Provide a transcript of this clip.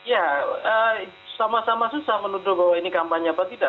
ya sama sama susah menuduh bahwa ini kampanye apa tidak